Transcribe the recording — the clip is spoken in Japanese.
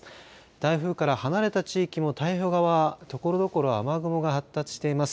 台風から離れた地域も太平洋側ところどころ雨雲が発達しています。